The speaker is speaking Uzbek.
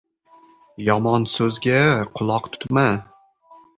— Yomon so‘zga quloq tutma.